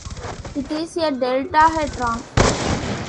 It is a deltahedron.